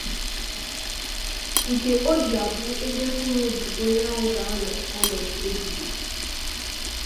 nke o ji abụ ebe mkpụrụobi onye ahụ ga-anọ ọnọdụ ebighị ebi.